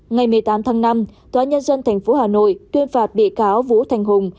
ngày một mươi tám tháng năm tòa nhân dân tp hà nội tuyên phạt bị cáo vũ thành hùng